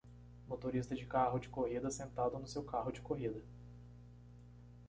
Motorista de carro de corrida sentado no seu carro de corrida